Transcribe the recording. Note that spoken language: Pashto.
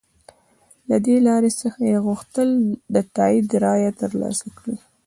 له دې لارې څخه یې غوښتل د تایید رایه تر لاسه کړي.